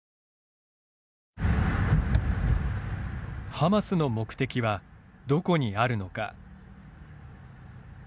ハマスの目的はどこにあるのか。